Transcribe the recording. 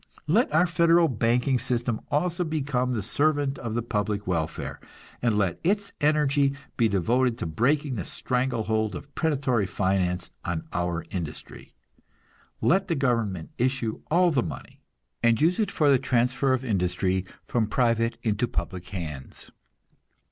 Let our Federal banking system also become the servant of the public welfare, and let its energy be devoted to breaking the strangle hold of predatory finance on our industry. Let the government issue all money, and use it for the transfer of industry from private into public hands.